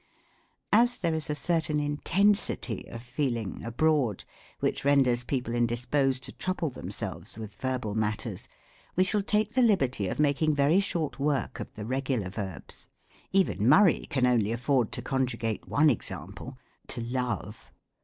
As there is a certain intensity of feeling abroad, which renders people indisposed to trouble themselves with verbal matters, we shall take the liberty of making very short work of the Regular Verbs. Even Murray can only afford to conjugate one example, — To Love.